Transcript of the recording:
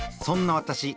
そんな私